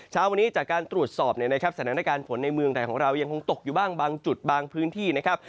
สถานการณ์ฝนในเมืองแต่ของเรายังคงตกอยู่บ้างบางจุดบางพื้นที่นะครับ